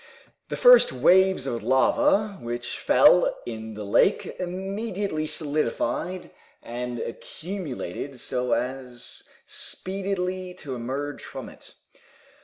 The first waves of lava which fell in the lake immediately solidified and accumulated so as speedily to emerge from it.